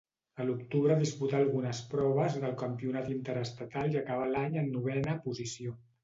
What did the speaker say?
A l'octubre disputà algunes proves del campionat interestatal i acabà l'any en novena posició.